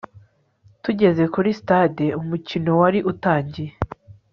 tugeze kuri stade, umukino wari utangiye